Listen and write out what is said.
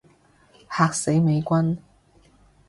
嚇死美軍